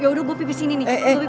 yaudah gue pipis ini nih